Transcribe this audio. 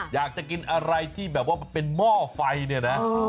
อยากจะกินอะไรที่แบบว่าเป็นหม้อไฟเนี่ยนะ